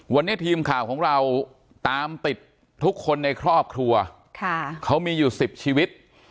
วันนี้ทีมข่าวของเราตามติดทุกคนในครอบครัวเขามีอยู่๑๐ชีวิต